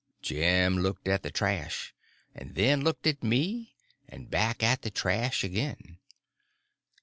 Jim looked at the trash, and then looked at me, and back at the trash again.